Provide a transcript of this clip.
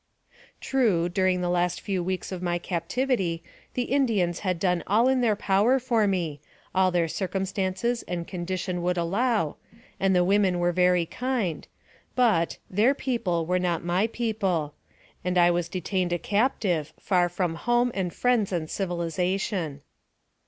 True, during the last few weeks of my captivity, the Indians had done all in their power for me, all their circumstances and condition would allow, and the women were very kind, but " their people were not my people," and I was detained a captive, far from home, and friends, and civilization.